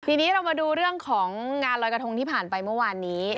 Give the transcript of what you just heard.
ทีนี้เรามาดูเรื่องของงานลอยกระทงที่ผ่านไปเมื่อวานนี้